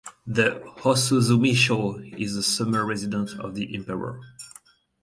The "Osuzumisho" is the summer residence for the emperor.